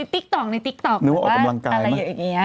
ติ๊กต่อเรียกว่าออกกำลังกาย